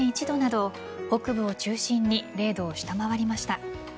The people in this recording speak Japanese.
３．１度など北部を中心に０度を下回りました。